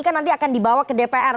kan nanti akan dibawa ke dpr